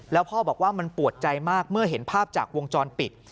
แล้วพ่อบอกว่ามันปวดใจมากเมื่อเห็นภาพจากวงจรปิด